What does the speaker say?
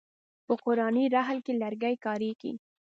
په قرآني رحل کې لرګی کاریږي.